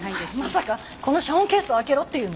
まさかこの遮音ケースを開けろって言うの！？